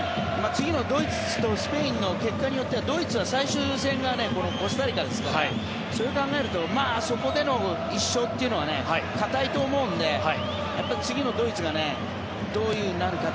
次のドイツとスペインの結果によってはドイツは最終戦がこのコスタリカですからそれを考えるとそこでの１勝というのは堅いと思うので次のドイツがどうなるか。